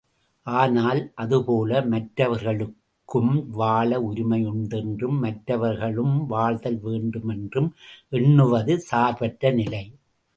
ஆனால், அதுபோல மற்றவர்களுக்கும் வாழ உரிமை உண்டு என்றும் மற்றவர்களும் வாழ்தல் வேண்டும் என்றும் எண்ணுவது சார்பற்ற நிலை.